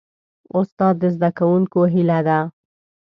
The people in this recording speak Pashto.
استاد د زدهکوونکو هیله ده.